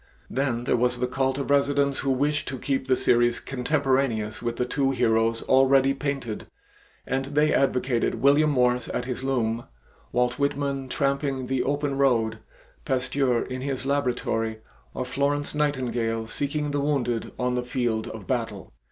Then there was the cult of residents who wished to keep the series contemporaneous with the two heroes already painted, and they advocated William Morris at his loom, Walt Whitman tramping the open road, Pasteur in his laboratory, or Florence Nightingale seeking the wounded on the field of battle.